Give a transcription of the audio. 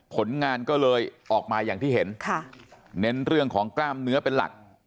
ผลงานก็เลยออกมาอย่างที่เห็นค่ะเน้นเรื่องของกล้ามเนื้อเป็นหลัก